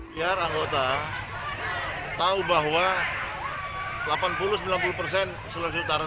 biar anggota tahu bahwa delapan puluh sembilan puluh persen sulawesi utara